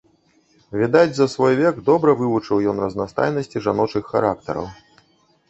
Відаць, за свой век добра вывучыў ён разнастайнасці жаночых характараў.